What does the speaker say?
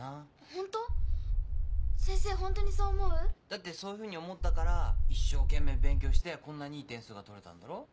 だってそういうふうに思ったから一生懸命勉強してこんなにいい点数が取れたんだろう？